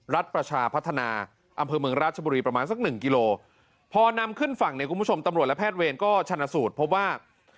รัฐประชาพัฒนาอำเภอเมืองราชบุรีประมาณสักหนึ่งกิโลพอนำขึ้นฝั่งเนี่ยคุณผู้ชมตำรวจและแพทย์เวรก็ชนะสูตรพบว่า